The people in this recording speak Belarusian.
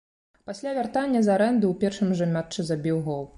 Пасля вяртання з арэнды ў першым жа матчы забіў гол.